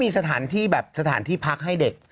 มีสถานที่แบบสถานที่พักให้เด็ก